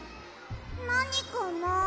なにかな。